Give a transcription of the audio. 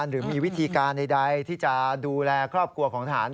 หรือมีวิธีการใดที่จะดูแลครอบครัวของทหาร